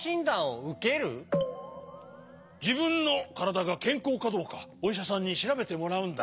じぶんのからだがけんこうかどうかおいしゃさんにしらべてもらうんだ。